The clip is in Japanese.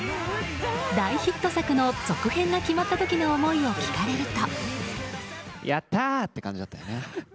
大ヒット作の続編が決まった時の思いを聞かれると。